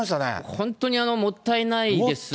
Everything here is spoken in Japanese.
本当にもったいないです。